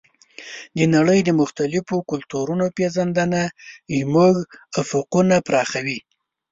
د نړۍ د مختلفو کلتورونو پېژندنه زموږ افقونه پراخوي.